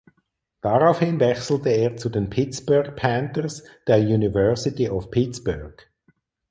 Daraufhin wechselte er zu den "Pittsburgh Panthers" der University of Pittsburgh.